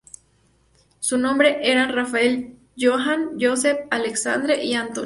Sus nombres eran Rafael, Joan, Josep, Alexandre y Antoni.